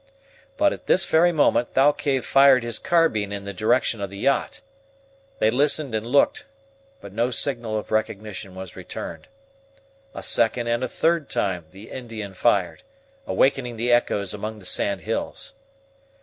But at this very moment Thalcave fired his carbine in the direction of the yacht. They listened and looked, but no signal of recognition was returned. A second and a third time the Indian fired, awakening the echoes among the sand hills.